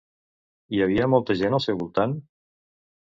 Hi havia molta gent al seu voltant?